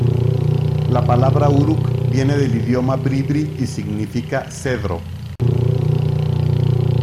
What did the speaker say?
La palabra Uruk viene del idioma bribri y significa cedro.